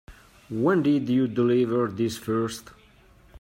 When did you deliver this first?